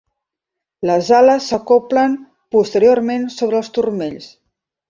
Les ales s'acoblen posteriorment sobre els turmells.